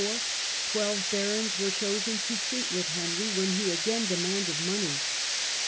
twelve barons were chosen to treat with Henry when he again demanded money.